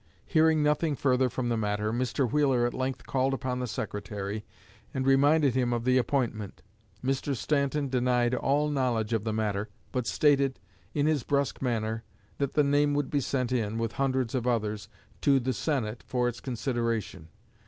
Hearing nothing further from the matter, Mr. Wheeler at length called upon the Secretary and reminded him of the appointment. Mr. Stanton denied all knowledge of the matter, but stated, in his brusque manner, that the name would be sent in, with hundreds of others, to the Senate for its consideration.